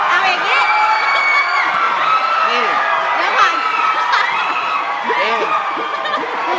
เอาอย่างนี้